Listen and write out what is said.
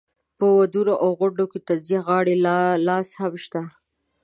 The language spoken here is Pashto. په ودونو او غونډو کې طنزیه غاړې لا اوس هم شته.